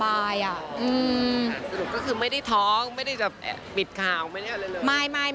สรุปก็คือไม่ได้ท้องไม่ได้จะปิดข่าวไม่ได้อะไรเลย